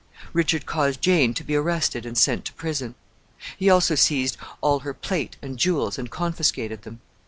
Richard caused Jane to be arrested and sent to prison. He also seized all her plate and jewels, and confiscated them.